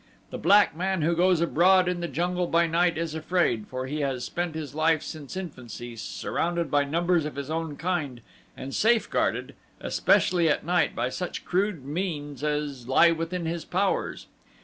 The black man who goes abroad in the jungle by night is afraid, for he has spent his life since infancy surrounded by numbers of his own kind and safeguarded, especially at night, by such crude means as lie within his powers.